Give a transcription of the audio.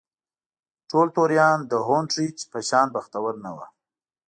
ټول توریان د هونټریج په شان بختور نه وو.